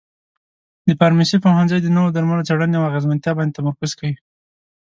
د فارمسي پوهنځی د نوو درملو څېړنې او اغیزمنتیا باندې تمرکز کوي.